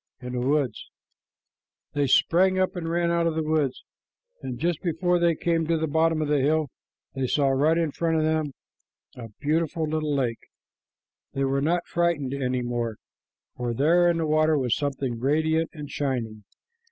in the woods. They sprang up and ran out of the woods, and just before they came to the bottom of the hill, they saw right in front of them a beautiful little lake. They were not frightened any more, for there in the water was something radiant and shining.